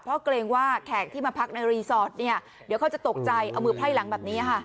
เพราะเกรงว่าแขกที่มาพักในรีสอร์ทเนี่ยเดี๋ยวเขาจะตกใจเอามือไพร่หลังแบบนี้ค่ะ